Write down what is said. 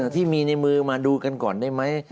ที่มีในมือมาดูกันก่อนได้ไหม